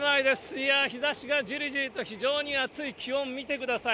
いやー、日ざしがじりじりと、非常に暑い、気温を見てください。